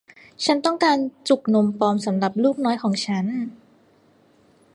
ฉันต้องการจุกนมปลอมสำหรับลูกน้อยของฉัน